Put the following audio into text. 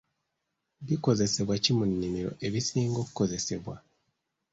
Bikozesebwa ki mu nnimiro ebisinga okukozesebwa?